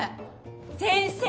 先生！